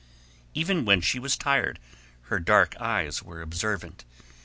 Even when she was tired her dark eyes were observant.